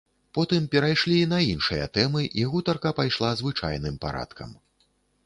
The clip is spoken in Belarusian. Потым перайшлі на іншыя тэмы і гутарка пайшла звычайным парадкам.